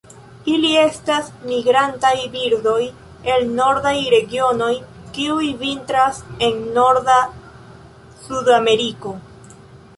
Ili estas migrantaj birdoj el nordaj regionoj kiuj vintras en norda Sudameriko.